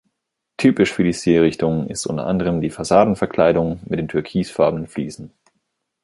Typisch für die Stilrichtung ist unter anderem die Fassadenverkleidung mit den türkisfarbenen Fliesen.